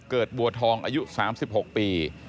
เกิดบัวทองอายุ๓๖ปี